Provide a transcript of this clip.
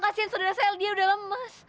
kasian saudara saya dia udah lemas